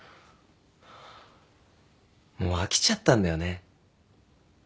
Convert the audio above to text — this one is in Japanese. もう飽きちゃったんだよね。